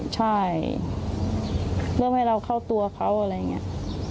ใช่เรื่องให้เราเข้าตัวเขาอะไรอย่างนี้